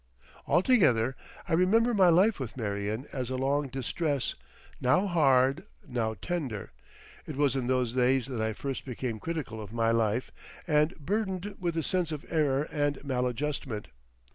Altogether, I remember my life with Marion as a long distress, now hard, now tender. It was in those days that I first became critical of my life and burdened with a sense of error and maladjustment.